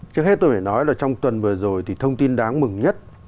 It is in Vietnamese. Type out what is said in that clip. trước hết tôi phải nói là trong tuần vừa rồi thì thông tin đáng mừng nhất